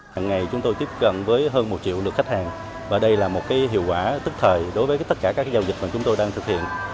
hằng ngày chúng tôi tiếp cận với hơn một triệu lượt khách hàng và đây là một hiệu quả tức thời đối với tất cả các giao dịch mà chúng tôi đang thực hiện